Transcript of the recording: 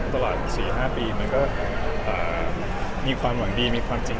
ตลอด๔หรือ๕ปีมันก็มีความหวังดีมีความ